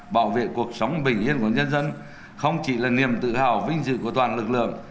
bảo vệ cuộc sống bình yên của nhân dân không chỉ là niềm tự hào vinh dự của toàn lực lượng